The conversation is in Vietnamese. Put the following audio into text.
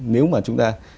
nếu mà chúng ta